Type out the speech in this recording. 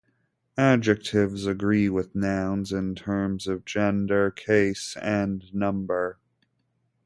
Adjectives agree with nouns in terms of gender, case and number.